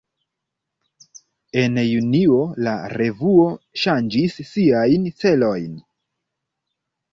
En junio, la revuo ŝanĝis siajn celojn.